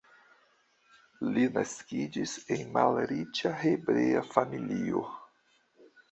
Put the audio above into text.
Li naskiĝis en malriĉa hebrea familio.